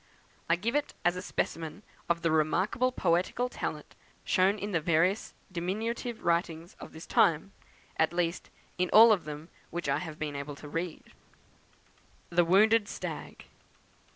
I give it as a specimen of the remarkable poetical talent shown in the various diminutive writings of this time; at least, in all of them which I have been able to read. THE WOUNDED STAG.